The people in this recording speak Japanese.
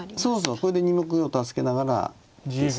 これで２目を助けながらです。